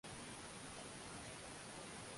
Pamoja na maandiko hayo Mhandisi Amoni Ntimba